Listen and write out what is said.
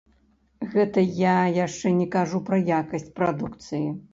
Гэта я яшчэ не кажу пра якасць прадукцыі!